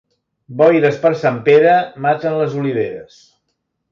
Boires per Sant Pere maten les oliveres.